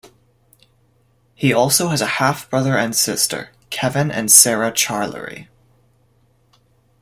He also has a half brother and sister, Kevin and Sarah Charlery.